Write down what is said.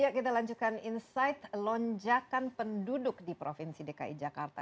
ya kita lanjutkan insight lonjakan penduduk di provinsi dki jakarta